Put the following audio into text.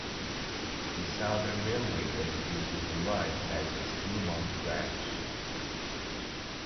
The Southern Railway designated the line as its Bluemont Branch.